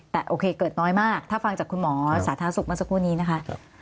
แต่โอเคเกิดน้อยมากถ้าฟังจากคุณหมอสาธารณสุขเมื่อสักครู่นี้นะคะ